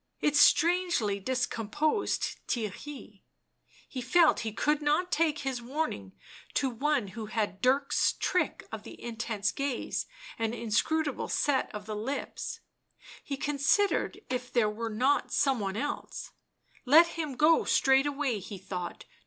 It strangely discomposed Theirry, he felt he could not take his warning to one who had Dirk's trick of the intense gaze and inscrutable set of the lips ; he considered if there were not some one else —let him go straightway, he thought, to the Emperor himself.